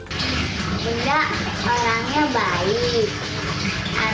benda orangnya baik